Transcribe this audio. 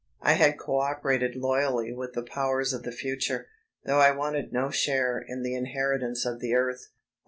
I had co operated loyally with the powers of the future, though I wanted no share in the inheritance of the earth.